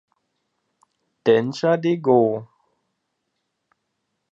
Densha de Go!